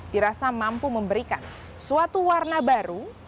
dirasa mampu memberikan suatu warna baru